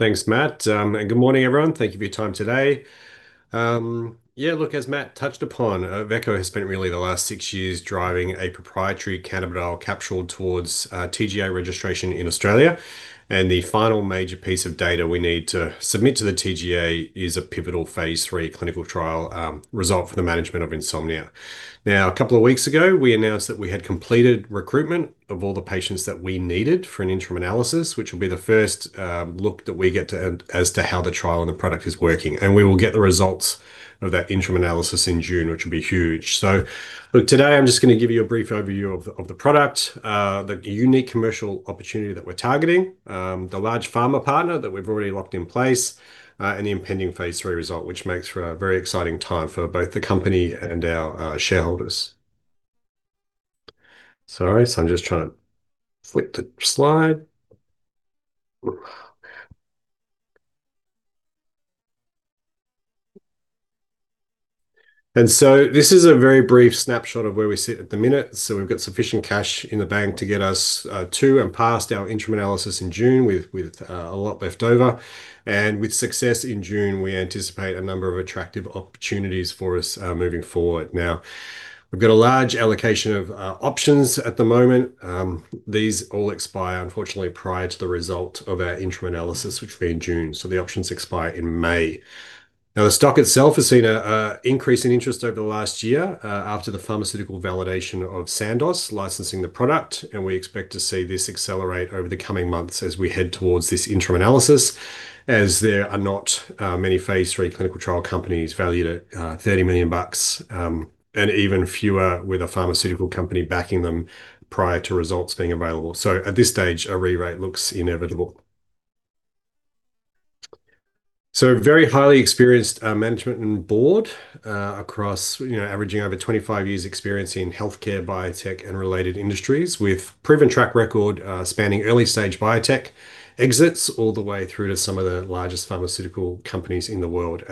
Thanks, Matt. And good morning, everyone. Thank you for your time today. Yeah, look, as Matt touched upon, Avecho has spent really the last six years driving a proprietary cannabidiol capsule towards TGA registration in Australia, and the final major piece of data we need to submit to the TGA is a pivotal phase III clinical trial result for the management of insomnia. Now, a couple of weeks ago, we announced that we had completed recruitment of all the patients that we needed for an interim analysis, which will be the first look that we get to as to how the trial and the product is working. We will get the results of that interim analysis in June, which will be huge. Look, today I'm just gonna give you a brief overview of the product, the unique commercial opportunity that we're targeting, the large pharma partner that we've already locked in place, and the impending phase III result, which makes for a very exciting time for both the company and our shareholders. Sorry, I'm just trying to flip the slide. This is a very brief snapshot of where we sit at the minute. We've got sufficient cash in the bank to get us to and past our interim analysis in June with a lot left over. With success in June, we anticipate a number of attractive opportunities for us moving forward. Now, we've got a large allocation of options at the moment. These all expire unfortunately prior to the result of our interim analysis, which will be in June. The options expire in May. Now, the stock itself has seen an increase in interest over the last year after the pharmaceutical validation of Sandoz licensing the product, and we expect to see this accelerate over the coming months as we head towards this interim analysis, as there are not many phase III clinical trial companies valued at 30 million bucks, and even fewer with a pharmaceutical company backing them prior to results being available. At this stage, a re-rate looks inevitable. Very highly experienced management and board across, you know, averaging over 25 years experience in healthcare, biotech and related industries, with proven track record spanning early-stage biotech exits all the way through to some of the largest pharmaceutical companies in the world.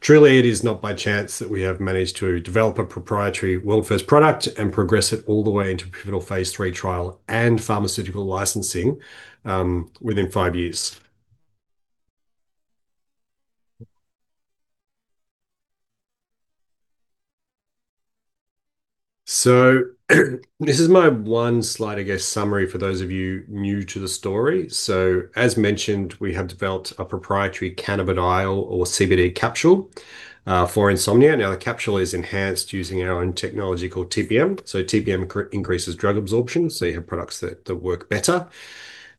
Truly, it is not by chance that we have managed to develop a proprietary world-first product and progress it all the way into pivotal phase III trial and pharmaceutical licensing within 5 years. This is my one slide, I guess, summary for those of you new to the story. As mentioned, we have developed a proprietary cannabidiol or CBD capsule for insomnia. Now, the capsule is enhanced using our own technology called TPM. TPM increases drug absorption, so you have products that work better.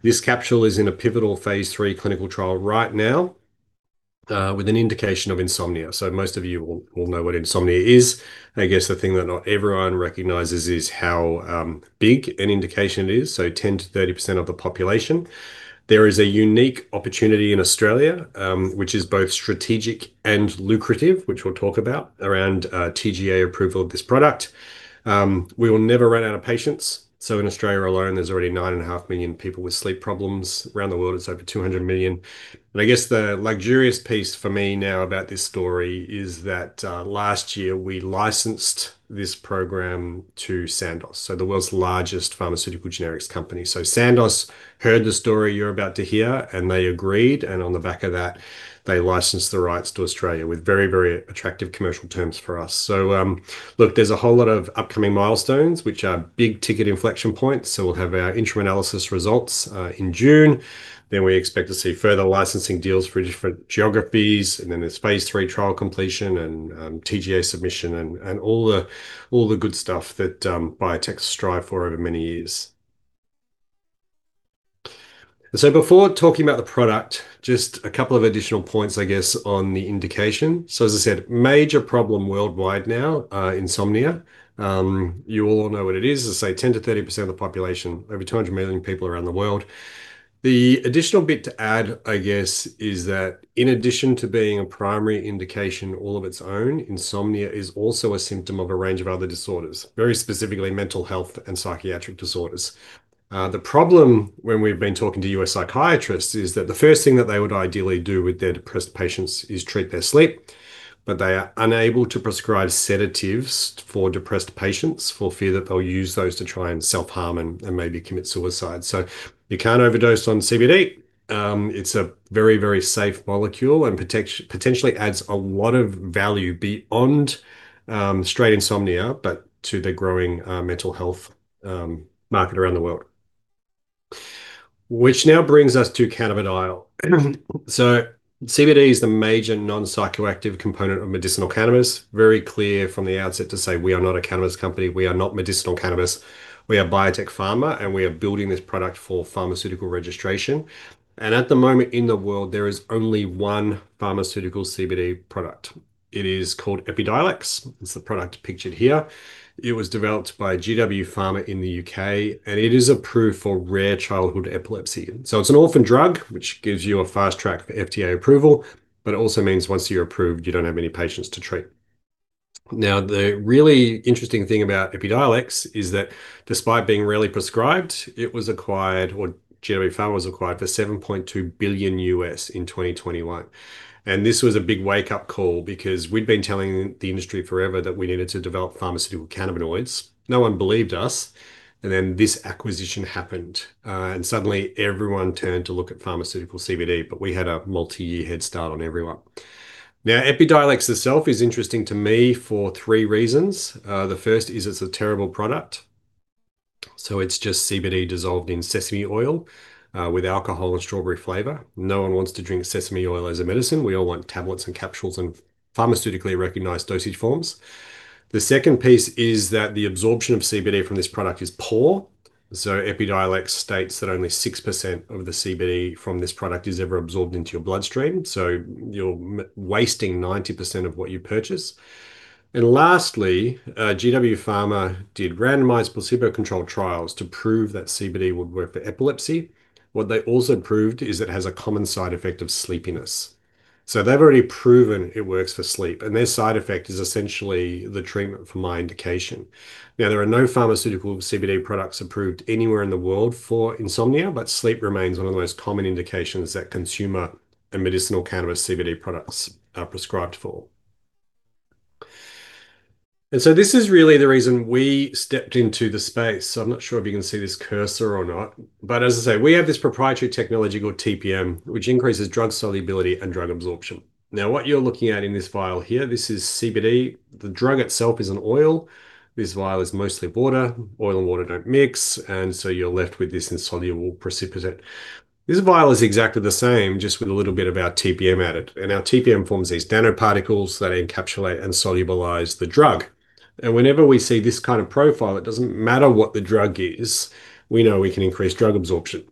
This capsule is in a pivotal phase III clinical trial right now with an indication of insomnia. Most of you will know what insomnia is. I guess the thing that not everyone recognizes is how big an indication it is, so 10%-30% of the population. There is a unique opportunity in Australia, which is both strategic and lucrative, which we'll talk about, around TGA approval of this product. We will never run out of patients. In Australia alone, there's already 9.5 million people with sleep problems. Around the world, it's over 200 million. I guess the luxurious piece for me now about this story is that last year, we licensed this program to Sandoz, so the world's largest pharmaceutical generics company. Sandoz heard the story you're about to hear, and they agreed, and on the back of that, they licensed the rights to Australia with very, very attractive commercial terms for us. Look, there's a whole lot of upcoming milestones, which are big-ticket inflection points. We'll have our interim analysis results in June. We expect to see further licensing deals for different geographies, and then there's phase III trial completion and TGA submission and all the good stuff that biotechs strive for over many years. Before talking about the product, just a couple of additional points, I guess, on the indication. As I said, major problem worldwide now, insomnia. You all know what it is. As I say, 10%-30% of the population, over 200 million people around the world. The additional bit to add, I guess, is that in addition to being a primary indication all of its own, insomnia is also a symptom of a range of other disorders, very specifically mental health and psychiatric disorders. The problem when we've been talking to U.S. psychiatrists is that the first thing that they would ideally do with their depressed patients is treat their sleep, but they are unable to prescribe sedatives for depressed patients for fear that they'll use those to try and self-harm and maybe commit suicide. You can't overdose on CBD. It's a very, very safe molecule and potentially adds a lot of value beyond straight insomnia, but to the growing mental health market around the world. Which now brings us to cannabidiol. CBD is the major non-psychoactive component of medicinal cannabis. Very clear from the outset to say we are not a cannabis company. We are not medicinal cannabis. We are biotech pharma, and we are building this product for pharmaceutical registration. At the moment in the world, there is only one pharmaceutical CBD product. It is called Epidiolex. It's the product pictured here. It was developed by GW Pharmaceuticals in the U.K., and it is approved for rare childhood epilepsy. It's an orphan drug, which gives you a fast track for FDA approval, but it also means once you're approved, you don't have many patients to treat. Now, the really interesting thing about Epidiolex is that despite being rarely prescribed, it was acquired, or GW Pharmaceuticals was acquired for $7.2 billion in 2021. This was a big wake-up call because we'd been telling the industry forever that we needed to develop pharmaceutical cannabinoids. No one believed us. This acquisition happened, and suddenly everyone turned to look at pharmaceutical CBD, but we had a multi-year head start on everyone. Now, Epidiolex itself is interesting to me for three reasons. The first is it's a terrible product. It's just CBD dissolved in sesame oil, with alcohol and strawberry flavor. No one wants to drink sesame oil as a medicine. We all want tablets and capsules and pharmaceutically recognized dosage forms. The second piece is that the absorption of CBD from this product is poor. Epidiolex states that only 6% of the CBD from this product is ever absorbed into your bloodstream, so you're wasting 90% of what you purchase. Lastly, GW Pharma did randomized placebo-controlled trials to prove that CBD would work for epilepsy. What they also proved is it has a common side effect of sleepiness. They've already proven it works for sleep, and their side effect is essentially the treatment for my indication. Now, there are no pharmaceutical CBD products approved anywhere in the world for insomnia, but sleep remains one of the most common indications that consumer and medicinal cannabis CBD products are prescribed for. This is really the reason we stepped into the space. I'm not sure if you can see this cursor or not, but as I say, we have this proprietary technology called TPM, which increases drug solubility and drug absorption. Now, what you're looking at in this vial here, this is CBD. The drug itself is an oil. This vial is mostly water. Oil and water don't mix, and so you're left with this insoluble precipitate. This vial is exactly the same, just with a little bit of our TPM added. Our TPM forms these nanoparticles that encapsulate and solubilize the drug. Whenever we see this kind of profile, it doesn't matter what the drug is, we know we can increase drug absorption.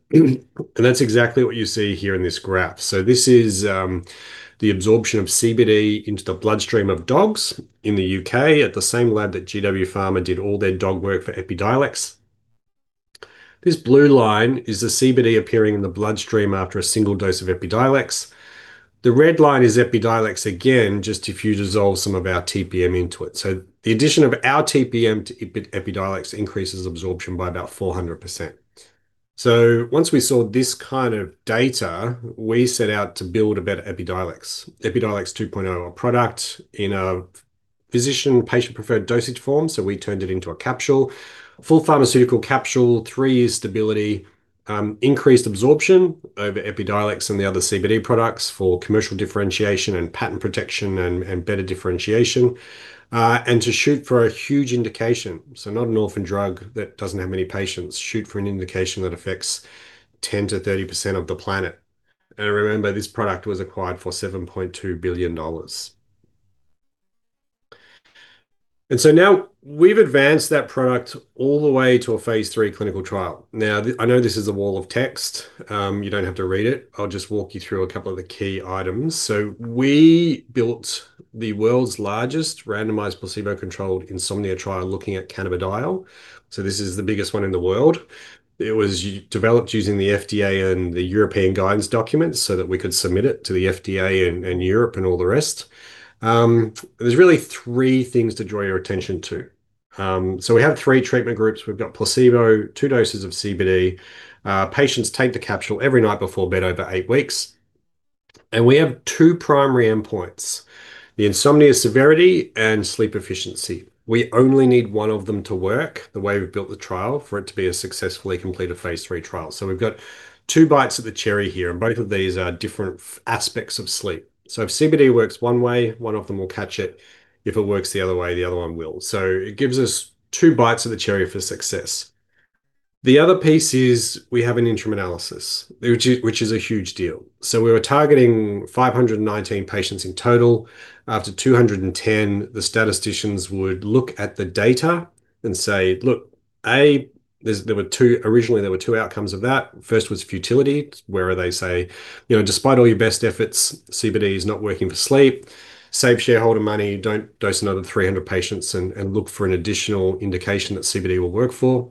That's exactly what you see here in this graph. This is the absorption of CBD into the bloodstream of dogs in the U.K. at the same lab that GW Pharma did all their dog work for Epidiolex. This blue line is the CBD appearing in the bloodstream after a single dose of Epidiolex. The red line is Epidiolex again, just if you dissolve some of our TPM into it. The addition of our TPM to Epidiolex increases absorption by about 400%. Once we saw this kind of data, we set out to build a better Epidiolex. Epidiolex 2.0 product in a physician patient-preferred dosage form, so we turned it into a capsule. Full pharmaceutical capsule, three-year stability, increased absorption over Epidiolex and the other CBD products for commercial differentiation and patent protection and better differentiation. To shoot for a huge indication, so not an orphan drug that doesn't have many patients. Shoot for an indication that affects 10%-30% of the planet. Remember, this product was acquired for $7.2 billion. Now we've advanced that product all the way to a phase III clinical trial. Now, I know this is a wall of text. You don't have to read it. I'll just walk you through a couple of the key items. We built the world's largest randomized placebo-controlled insomnia trial looking at cannabidiol, this is the biggest one in the world. It was developed using the FDA and the European guidance documents so that we could submit it to the FDA and Europe and all the rest. There's really three things to draw your attention to. We have three treatment groups. We've got placebo, two doses of CBD. Patients take the capsule every night before bed over eight weeks. We have two primary endpoints, the insomnia severity and sleep efficiency. We only need one of them to work, the way we've built the trial, for it to be a successfully completed phase III trial. We've got two bites of the cherry here, and both of these are different aspects of sleep. If CBD works one way, one of them will catch it. If it works the other way, the other one will. It gives us two bites of the cherry for success. The other piece is we have an interim analysis, which is a huge deal. We were targeting 519 patients in total. After 210, the statisticians would look at the data and say, "Look, a, there were two outcomes of that. First was futility, where they say, 'You know, despite all your best efforts, CBD is not working for sleep. Save shareholder money. Don't dose another 300 patients, and look for an additional indication that CBD will work for."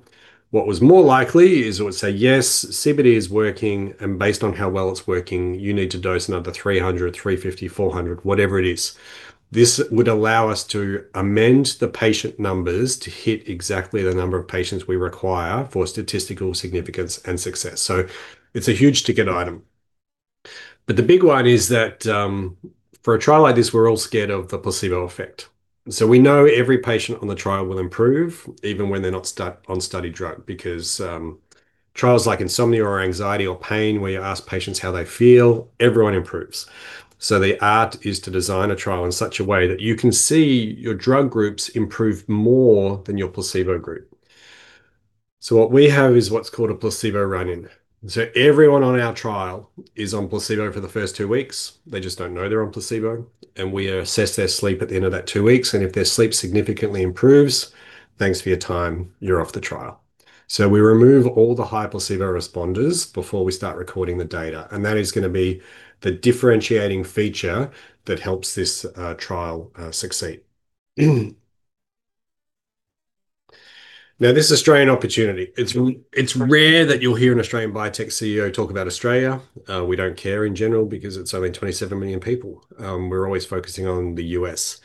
What was more likely is they would say, "Yes, CBD is working, and based on how well it's working, you need to dose another 300, 350, 400, whatever it is." This would allow us to amend the patient numbers to hit exactly the number of patients we require for statistical significance and success. It's a huge ticket item. The big one is that, for a trial like this, we're all scared of the placebo effect. We know every patient on the trial will improve, even when they're not on study drug, because trials like insomnia or anxiety or pain where you ask patients how they feel, everyone improves. The art is to design a trial in such a way that you can see your drug groups improve more than your placebo group. What we have is what's called a placebo run-in. Everyone on our trial is on placebo for the first two weeks. They just don't know they're on placebo, and we assess their sleep at the end of that two weeks, and if their sleep significantly improves, thanks for your time. You're off the trial. We remove all the high placebo responders before we start recording the data, and that is gonna be the differentiating feature that helps this trial succeed. Now, this Australian opportunity, it's rare that you'll hear an Australian biotech CEO talk about Australia. We don't care in general because it's only 27 million people. We're always focusing on the U.S.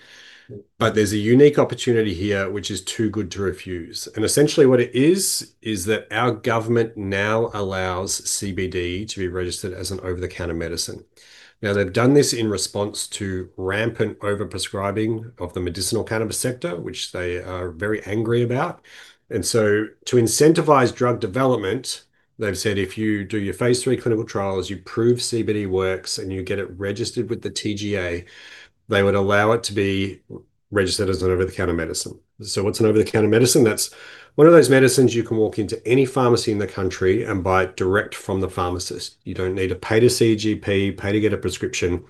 There's a unique opportunity here which is too good to refuse. Essentially what it is that our government now allows CBD to be registered as an over-the-counter medicine. Now, they've done this in response to rampant over-prescribing of the medicinal cannabis sector, which they are very angry about, to incentivize drug development. They've said if you do your phase III clinical trials, you prove CBD works, and you get it registered with the TGA, they would allow it to be registered as an over-the-counter medicine. What's an over-the-counter medicine? That's one of those medicines you can walk into any pharmacy in the country and buy direct from the pharmacist. You don't need to pay to see a GP, pay to get a prescription.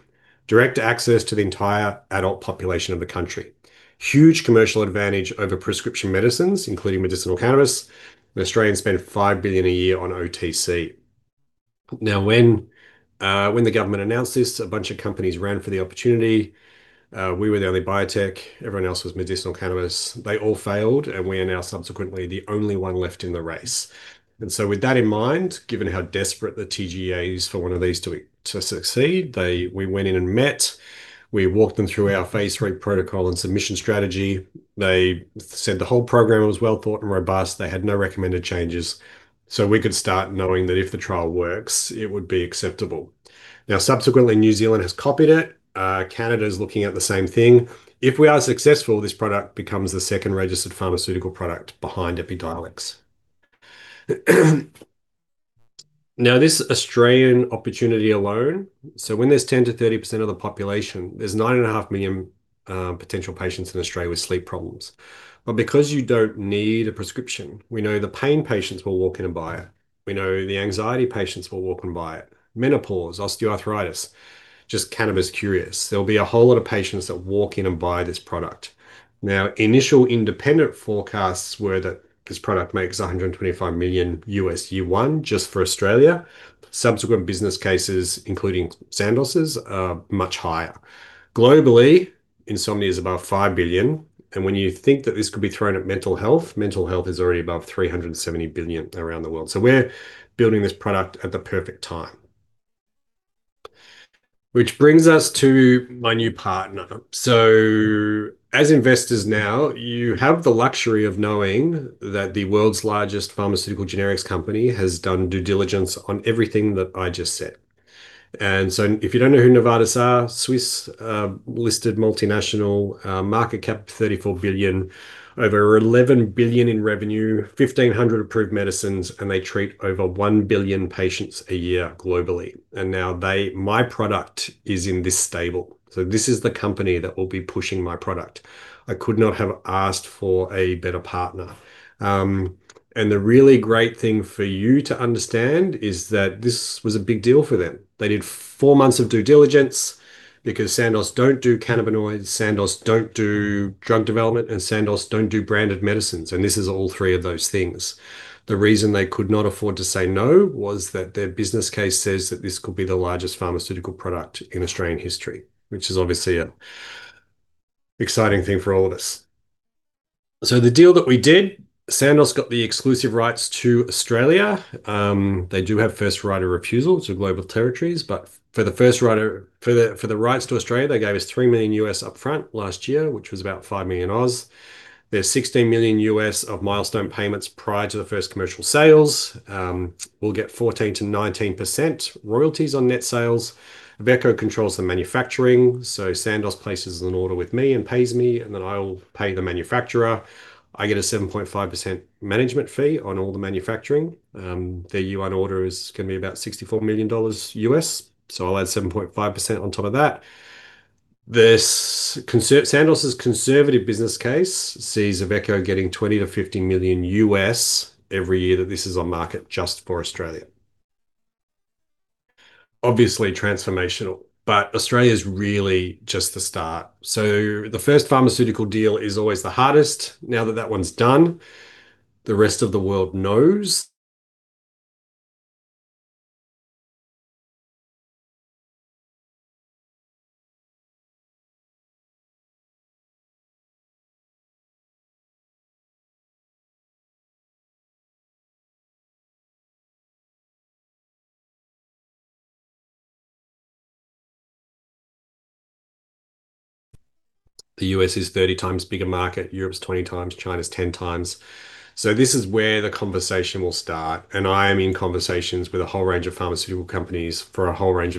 Direct access to the entire adult population of the country. Huge commercial advantage over prescription medicines, including medicinal cannabis, and Australians spend 5 billion a year on OTC. When the government announced this, a bunch of companies ran for the opportunity. We were the only biotech. Everyone else was medicinal cannabis. They all failed, and we are now subsequently the only one left in the race. With that in mind, given how desperate the TGA is for one of these to succeed, they. We went in and met. We walked them through our phase III protocol and submission strategy. They said the whole program was well thought and robust. They had no recommended changes, so we could start knowing that if the trial works, it would be acceptable. Subsequently, New Zealand has copied it. Canada is looking at the same thing. If we are successful, this product becomes the second-registered pharmaceutical product behind Epidiolex. Now, this Australian opportunity alone, so when there's 10%-30% of the population, there's 9.5 million potential patients in Australia with sleep problems. But because you don't need a prescription, we know the pain patients will walk in and buy it. We know the anxiety patients will walk in and buy it. Menopause, osteoarthritis, just cannabis curious. There'll be a whole lot of patients that walk in and buy this product. Now, initial independent forecasts were that this product makes $125 million year one just for Australia. Subsequent business cases, including Sandoz's, are much higher. Globally, insomnia is above $5 billion. When you think that this could be thrown at mental health, mental health is already above $370 billion around the world. We're building this product at the perfect time. Which brings us to my new partner. As investors now, you have the luxury of knowing that the world's largest pharmaceutical generics company has done due diligence on everything that I just said. If you don't know who Novartis are, Swiss listed multinational, market cap $34 billion, over $11 billion in revenue, 1,500 approved medicines, and they treat over 1 billion patients a year globally. Now my product is in their stable. This is the company that will be pushing my product. I could not have asked for a better partner. The really great thing for you to understand is that this was a big deal for them. They did four months of due diligence because Sandoz don't do cannabinoids, Sandoz don't do drug development, and Sandoz don't do branded medicines, and this is all three of those things. The reason they could not afford to say no was that their business case says that this could be the largest pharmaceutical product in Australian history, which is obviously an exciting thing for all of us. The deal that we did, Sandoz got the exclusive rights to Australia. They do have first right of refusal to global territories, but for the rights to Australia, they gave us $3 million upfront last year, which was about 5 million. There's $16 million of milestone payments prior to the first commercial sales. We'll get 14%-19% royalties on net sales. Avecho controls the manufacturing, so Sandoz places an order with me and pays me, and then I'll pay the manufacturer. I get a 7.5% management fee on all the manufacturing. Their year one order is gonna be about $64 million, so I'll add 7.5% on top of that. Sandoz's conservative business case sees Avecho getting $20 million-$50 million every year that this is on market just for Australia. Obviously transformational, but Australia's really just the start. The first pharmaceutical deal is always the hardest. Now that that one's done, the rest of the world knows. The U.S. is 30 times bigger market, Europe's 20 times, China's 10 times. This is where the conversation will start, and I am in conversations with a whole range of pharmaceutical companies for a whole range of-